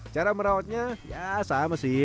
cara merawatnya ya sama sih